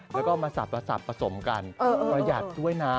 แล้วก็มาสับผสมกันประหยัดด้วยนะ